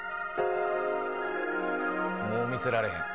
「もうミスられへん」